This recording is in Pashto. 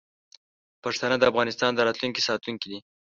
پښتانه د افغانستان د راتلونکي ساتونکي دي.